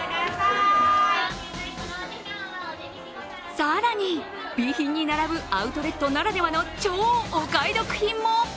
更に、Ｂ品に並ぶアウトレットならではの超お買い得品も。